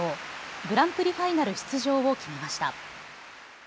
グランプリファイナル出場を決めました。